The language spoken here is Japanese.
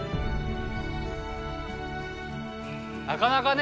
なかなかね